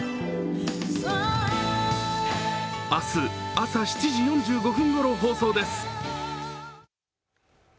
明日、朝７時４５分ごろ放送です。